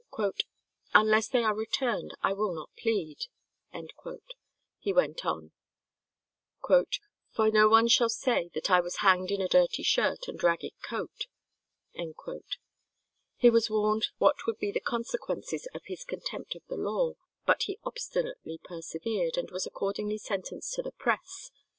"Unless they are returned, I will not plead," he went on, "for no one shall say that I was hanged in a dirty shirt and a ragged coat." He was warned what would be the consequences of his contempt of the law, but he obstinately persevered, and was accordingly sentenced to the press.